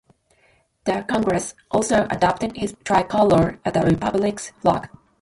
The congress also adopted his "tricolor" as the Republic's flag.